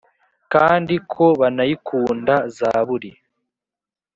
kandi ko banayikunda zaburi